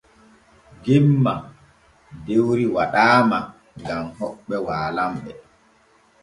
Jemma dewri waɗaama gam hoɓɓe waalanɓe.